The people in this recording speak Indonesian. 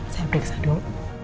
saya periksa dulu